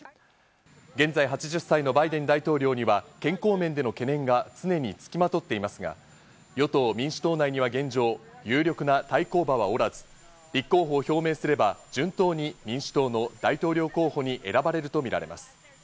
現在８０歳のバイデン大統領には健康面での懸念が常につきまとっていますが、与党・民主党内には現状、有力な対抗馬はおらず、立候補を表明すれば順当に民主党の大統領候補に選ばれるとみられます。